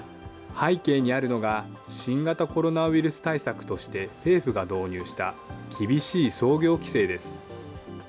背景にあるのが、新型コロナウイルス対策として政府が導入した厳しい操業規制です。